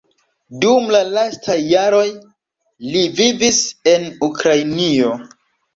Dum la lastaj jaroj li vivis en Ukrainio.